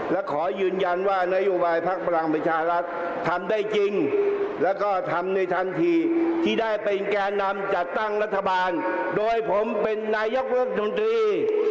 และขอยืนยันว่านโยบายพักพลังประชารัฐทำได้จริงแล้วก็ทำในทันทีที่ได้เป็นแก่นำจัดตั้งรัฐบาลโดยผมเป็นนายกรัฐมนตรี